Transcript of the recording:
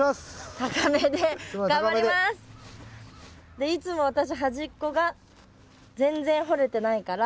でいつも私端っこが全然掘れてないから。